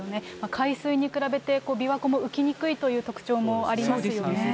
海水に比べて琵琶湖も浮きにくいという特徴もありますし。